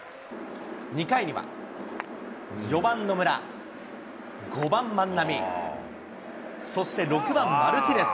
２回には、４番野村、５番万波、そして６番マルティネス。